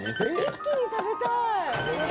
⁉一気に食べたい！